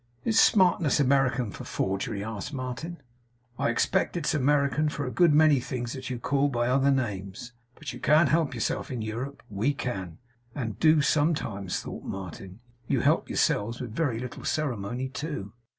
'Is smartness American for forgery?' asked Martin. 'Well!' said the colonel, 'I expect it's American for a good many things that you call by other names. But you can't help yourself in Europe. We can.' 'And do, sometimes,' thought Martin. 'You help yourselves with very little ceremony, too!